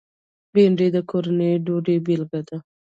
بېنډۍ د کورني ډوډۍ بېلګه ده